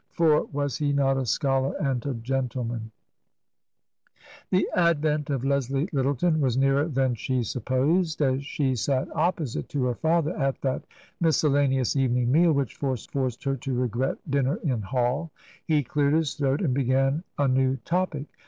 For was he not a scholar and a gentleman ? The advent of Leslie Lyttleton was nearer than she supposed. As she sat opposite to her father at that mis cellaneous evening meal, which forced her to regret dinner in " hall," he cleared his throat and began a new topic.